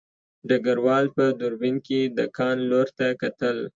ډګروال په دوربین کې د کان لور ته کتل